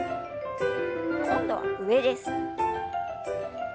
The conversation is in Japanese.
今度は上です。